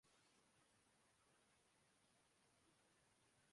وہ رو پڑا۔